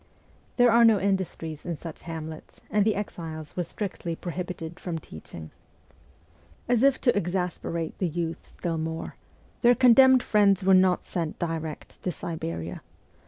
There are no industries in such hamlets, and the exiles were strictly prohibited from teaching. As if to exasperate the youth still more, their con WESTERN EUROPE 237 demned friends were not sent direct to Siberia.